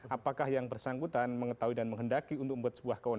apakah yang bersangkutan mengetahui dan menghendaki untuk membuat sebuah kewenangan